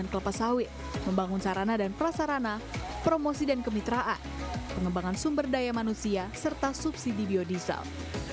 badan pengelola dana perkebunan kelapa sawit membangun sarana dan pelasarana promosi dan kemitraan pengembangan sumber daya manusia serta subsidi biodiesel